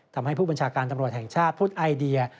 ทำให้ผู้บัญชาการตำรวจแห่งชาติพูดไอเดีย